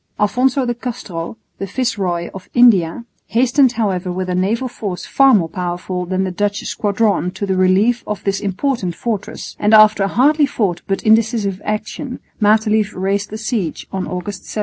Alphonso de Castro, the Viceroy of India, hastened however with a naval force far more powerful than the Dutch squadron to the relief of this important fortress; and after a hardly fought but indecisive action Matelief raised the siege on August 17.